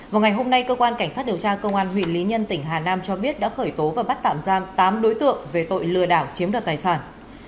vào ngày hôm nay cơ quan cảnh sát điều tra công an huyện lý nhân tỉnh hà nam cho biết đã khởi tố và bắt tạm giam tám đối tượng về tội lừa đảo chiếm đoạt tài sản